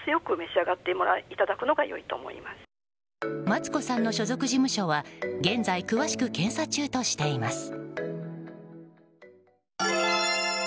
マツコさんの所属事務所は現在詳しく検査中としています。